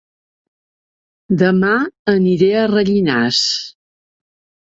Dema aniré a Rellinars